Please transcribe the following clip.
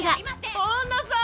本田さん